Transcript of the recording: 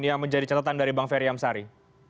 yang menjadi catatan dari bang ferry amsari